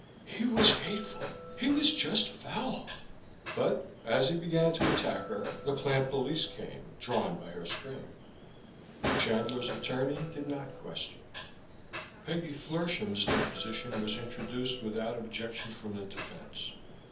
"He was hateful! He was just foul!" But as he began to attack her the plant police came, drawn by her screams. Chandler's attorney did not question. Peggy Flershem's deposition was introduced without objection from the defense.